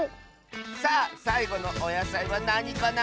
さあさいごのおやさいはなにかな？